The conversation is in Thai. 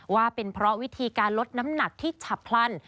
ว่าเป็นเพราะวิธีการลดน้ำหนักที่ฉับพลัน